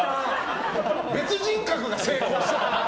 別人格が成功したの？